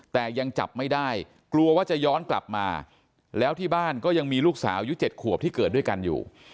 แต่ยังจับไม่ได้กลัวว่าจะย้อนกลับมาแล้วที่บ้านก็ยังมีลูกสาวอายุ๗ขวบที่เกิดด้วยกันอยู่